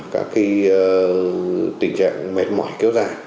các cái tình trạng mệt mỏi kéo dài